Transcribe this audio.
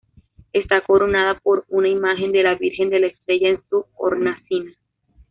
Está coronada por una imagen de la Virgen de la Estrella en su hornacina.